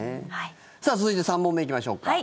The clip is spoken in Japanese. さあ、続いて３問目いきましょうか。